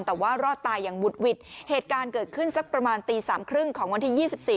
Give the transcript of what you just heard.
แต่ว่ารอดตายอย่างบุดหวิดเหตุการณ์เกิดขึ้นสักประมาณตีสามครึ่งของวันที่ยี่สิบสี่